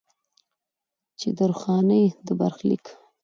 چې د درخانۍ د برخليک